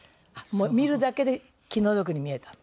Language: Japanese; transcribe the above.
もう見るだけで気の毒に見えた。